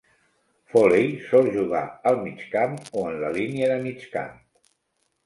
Foley sol jugar al migcamp o en la línia de migcamp.